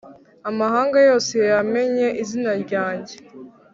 amahanga yose yamenye izina ryanjye.